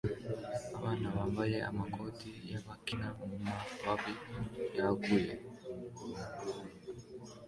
Abana bambaye amakoti bakina mumababi yaguye